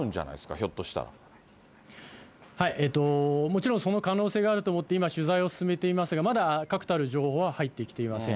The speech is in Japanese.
ひょっもちろん、その可能性があると思って、今取材を進めていますが、まだ確たる情報は入ってきていません。